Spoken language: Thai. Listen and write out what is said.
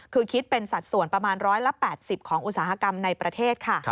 คือคิดเป็นสัดส่วนประมาณ๑๘๐ของอุตสาหกรรมในประเทศค่ะ